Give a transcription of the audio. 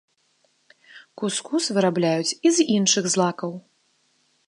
Кус-кус вырабляюць і з іншых злакаў.